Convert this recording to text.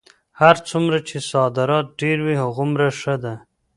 هر څومره چې صادرات ډېر وي هغومره ښه ده.